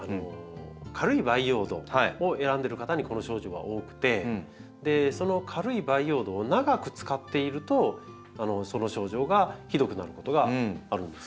軽い培養土を選んでる方にこの症状は多くてその軽い培養土を長く使っているとその症状がひどくなることがあるんですよ。